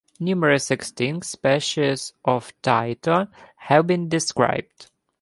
Numerous extinct species of "Tyto" have been described.